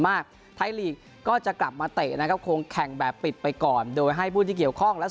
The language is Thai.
มากไทยลีกก็จะกลับมาเตะนะครับคงแข่งแบบปิดไปก่อนโดยให้ผู้ที่เกี่ยวข้องและ